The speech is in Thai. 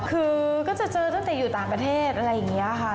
คือก็จะเจอตั้งแต่อยู่ต่างประเทศอะไรอย่างนี้ค่ะ